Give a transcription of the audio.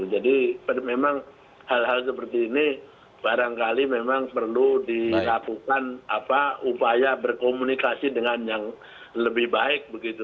jadi memang hal hal seperti ini barangkali memang perlu dilakukan apa upaya berkomunikasi dengan yang lebih baik begitu